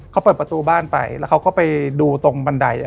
เขาเปิดประตูบ้านไปแล้วเขาก็ไปดูตรงบันได